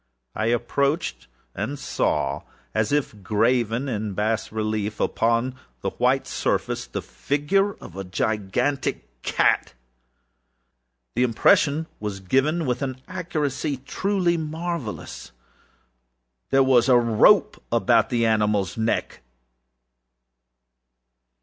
I approached and saw, as if graven in bas relief upon the white surface, the figure of a gigantic cat. The impression was given with an accuracy truly marvellous. There was a rope about the animalâs neck.